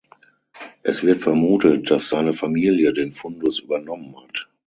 Es wird vermutet, dass seine Familie den Fundus übernommen hat.